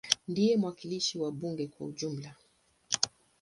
Ndiye mwakilishi wa bunge kwa ujumla.